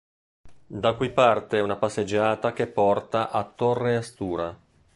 Da qui parte una passeggiata che porta a Torre Astura.